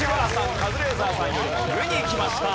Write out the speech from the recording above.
カズレーザーさんよりも上にいきました。